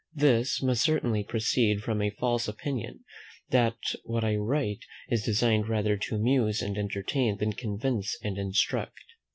This must certainly proceed from a false opinion, that what I write is designed rather to amuse and entertain than convince and instruct.